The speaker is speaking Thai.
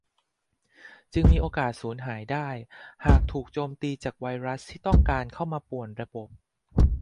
จึงมีโอกาสสูญหายได้หากถูกโจมตีจากไวรัสที่ต้องการเข้ามาป่วนระบบ